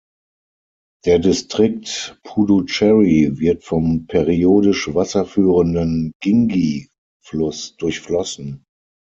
Der Distrikt Puducherry wird vom periodisch wasserführenden Gingee-Fluss durchflossen.